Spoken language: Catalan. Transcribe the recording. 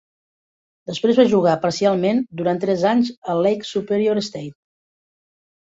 Després va jugar parcialment durant tres anys al Lake Superior State.